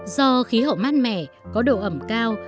do khí hậu mát mẻ có độ ẩm cao